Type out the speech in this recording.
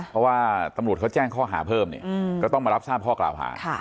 เพราะว่าตำรวจเขาแจ้งข้อหาเพิ่มเนี่ยก็ต้องมารับทราบข้อกล่าวหา